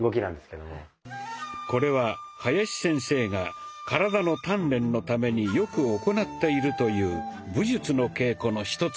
これは林先生が体の鍛錬のためによく行っているという武術の稽古の一つです。